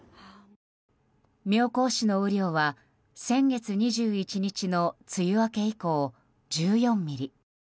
妙高市の雨量は先月２１日の梅雨明け以降１４ミリ。